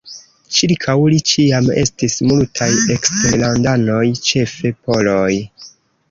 Ĉirkaŭ li ĉiam estis multaj eksterlandanoj, ĉefe poloj.